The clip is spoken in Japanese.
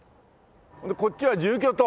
こっちは住居棟？